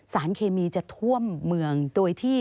สารเคมีจะท่วมเมืองโดยที่